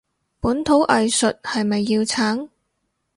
本土藝術係咪要撐？